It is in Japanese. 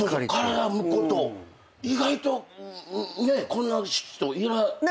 意外とこんな人いらっしゃらない。